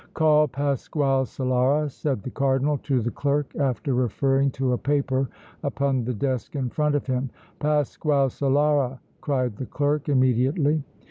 "Call Pasquale Solara," said the Cardinal to the clerk, after referring to a paper upon the desk in front of him. "Pasquale Solara!" cried the clerk, immediately.